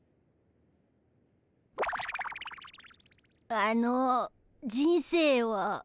あの人生は？